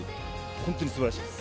本当に素晴らしいです。